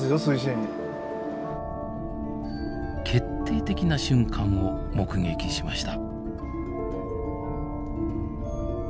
決定的な瞬間を目撃しました。